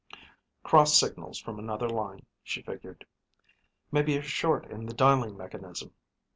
Crossed signals from another line, she figured. Maybe a short in the dialing mechanism.